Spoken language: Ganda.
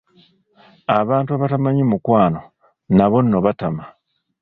Abantu abatamanyi mukwano nabo nno batama.